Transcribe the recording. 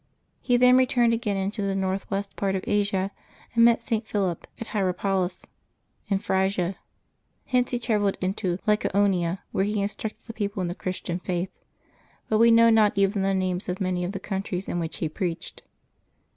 He then returned again into the northwest part of Asia, and met St. Philip, at Hierapolis, in Phrygia. Hence he travelled into Lyca onia, where he instructed the people in the Christian Faith; but we know not even the names of many of the countries in which he preached.